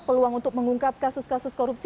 peluang untuk mengungkap kasus kasus korupsi